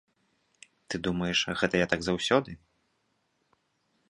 Ты думаеш, гэта я так заўсёды?